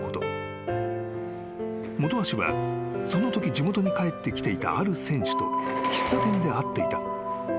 ［本橋はそのとき地元に帰ってきていたある選手と喫茶店で会っていた。